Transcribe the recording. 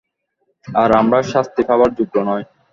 আর আমরা শাস্তি পাবার যোগ্য নই।